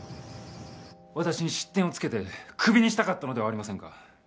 私に失点をつけてクビにしたかったのではありませんか？